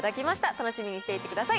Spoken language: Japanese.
楽しみにしていてください。